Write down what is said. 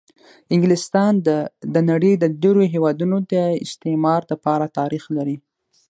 انګلستان د د نړۍ د ډېرو هېوادونو د استعمار دپاره تاریخ لري.